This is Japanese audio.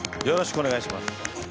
よろしくお願いします。